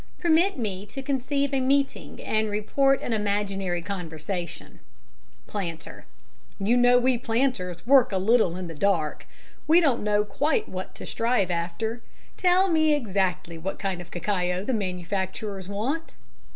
Permit me to conceive a meeting and report an imaginary conversation: PLANTER: You know we planters work a little in the dark. We don't know quite what to strive after. Tell me exactly what kind of cacao the manufacturers want?